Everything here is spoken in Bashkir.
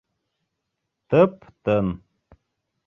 Тып-тын.